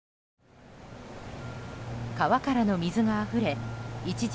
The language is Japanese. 川からの水があふれ一時